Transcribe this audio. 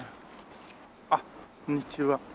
あっこんにちは。